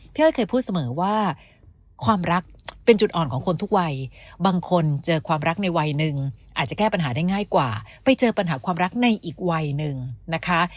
อ้อยเคยพูดเสมอว่าความรักเป็นจุดอ่อนของคนทุกวัยบางคนเจอความรักในวัยหนึ่งอาจจะแก้ปัญหาได้ง่ายกว่าไปเจอปัญหาความรักในอีกวัยหนึ่งนะคะ